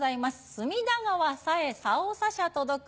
「隅田川さえ棹さしゃ届く